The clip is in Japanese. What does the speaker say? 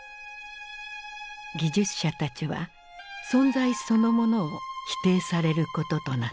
技術者たちは存在そのものを否定されることとなった。